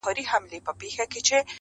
هر څوک له خپله سره اور وژني.